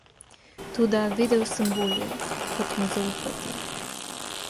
Toda vedel sem bolje, kot mu zaupati.